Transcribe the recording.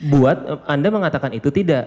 buat anda mengatakan itu tidak